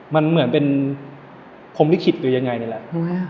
มันเหมือนเป็นพรมลิขิตหรือยังไงนี่แหละ